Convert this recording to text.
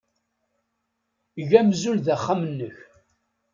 Eg amzun d axxam-nnek.